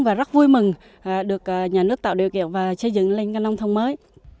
và rất vui mừng được nhà nước tạo điều kiện và chế dựng lên nông thôn mới